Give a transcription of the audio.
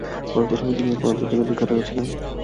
পরবর্তী সময়ে তিনি এই পদ্ধতিটির জন্য বিখ্যাত হয়েছিলেন।